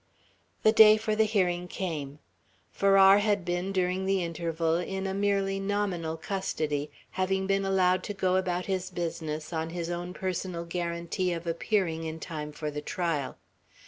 The day for the hearing came. Farrar had been, during the interval, in a merely nominal custody; having been allowed to go about his business, on his own personal guarantee of appearing in time for the trial.